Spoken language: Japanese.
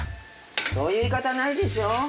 そういう言い方ないでしょ。